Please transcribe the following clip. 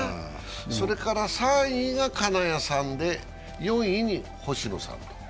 それから３位が金谷さんで４位に星野さん。